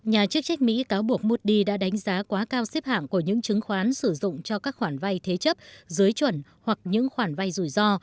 nhà chức trách mỹ cáo buộc moody đã đánh giá quá cao xếp hạng của những chứng khoán sử dụng cho các khoản vay thế chấp dưới chuẩn hoặc những khoản vay rủi ro